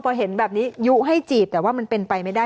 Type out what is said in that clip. พอเห็นแบบนี้ยุให้จีบแต่ว่ามันเป็นไปไม่ได้